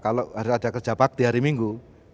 kalau harus ada kerja bakti hari minggu